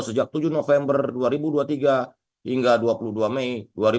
sejak tujuh november dua ribu dua puluh tiga hingga dua puluh dua mei dua ribu dua puluh